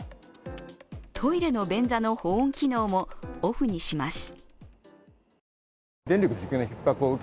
トイレの便座の保温機能もオフにします。